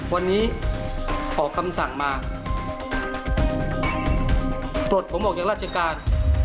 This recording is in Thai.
วันนี้ออกคำสั่งมาตรวจผมบอกอย่างราชการ